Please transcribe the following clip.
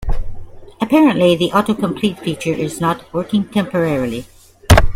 Apparently, the autocomplete feature is not working temporarily.